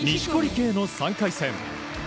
圭の３回戦。